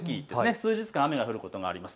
数日間、雨が降ることがあります。